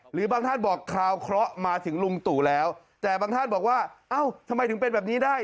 หรือบางท่านบอกคราวเคราะห์มาถึงลุงตู่แล้วแต่บางท่านบอกว่าเอ้าทำไมถึงเป็นแบบนี้ได้